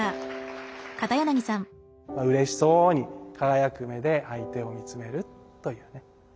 うれしそうに輝く目で相手を見つめるというね。